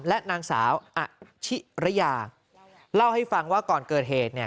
และนางสาวอชิระยาเล่าให้ฟังว่าก่อนเกิดเหตุเนี่ย